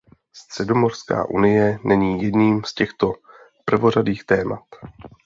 Středomořská unie není jedním z těchto prvořadých témat.